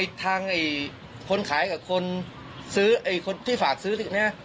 ทางคนขายกับคนซื้อไอ้คนที่ฝากซื้อเนี่ย